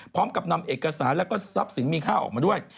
พร้อมกับนำเอกสารแล้วก็ทรัพย์สินมีค่าออกมาด้วย